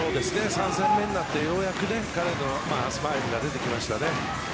３戦目になってようやく彼のスマイルが出てきましたね。